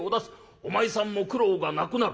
お前さんも苦労がなくなる。